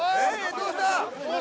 どうした？